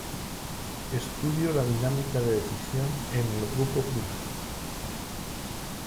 Estudio la dinámica de decisión en el grupo primario.